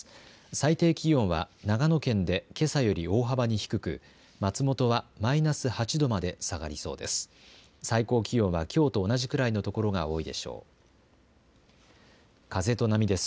最低気温は、長野県でけさより大幅に低く、松本はマイナス８度まで下がりそうです。